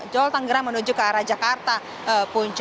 tol tanggerang menuju ke arah jakarta punca